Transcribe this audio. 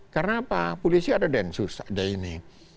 karena apa polisi ada densus ada ini